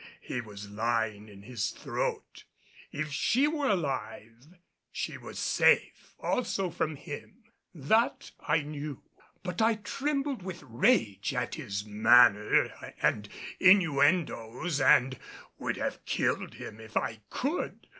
He was lying in his throat. If she were alive she was safe also from him that I knew. But I trembled with rage at his manner and innuendos and would have killed him if I could.